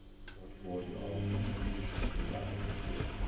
Dort wurden auch die jüdischen Kinder eingeschult.